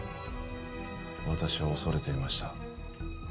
私は恐れていました